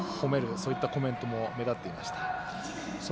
そういったコメントも目だっていました。